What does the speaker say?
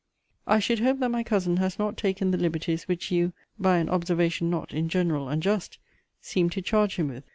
I should hope that my cousin has not taken the liberties which you (by an observation not, in general, unjust) seem to charge him with.